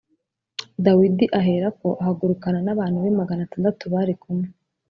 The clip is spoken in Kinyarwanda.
dawidi aherako ahagurukana n’abantu be magana atandatu bari kumwe